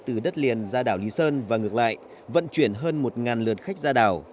từ đất liền ra đảo lý sơn và ngược lại vận chuyển hơn một lượt khách ra đảo